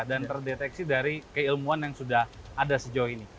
dan terdeteksi dari keilmuan yang sudah ada sejauh ini